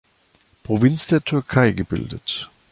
Provinz der Türkei gebildet.